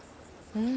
うん？